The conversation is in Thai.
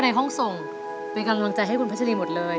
ในห้องส่งเป็นกำลังใจให้คุณพัชรีหมดเลย